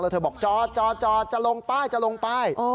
แล้วเธอบอกจอจอจอจะลงไปจะลงไป